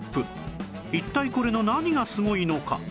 一体これの何がすごいのか？